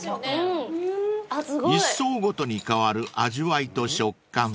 ［一層ごとに変わる味わいと食感］